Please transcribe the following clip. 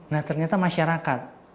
nah ternyata masyarakat